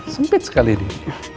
sempit sekali dia